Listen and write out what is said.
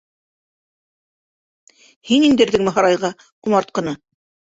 Һин индерҙеңме һарайға ҡомартҡыны?